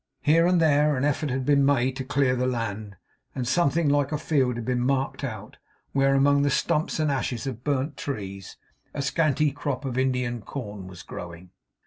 Here and there an effort had been made to clear the land, and something like a field had been marked out, where, among the stumps and ashes of burnt trees, a scanty crop of Indian corn was growing.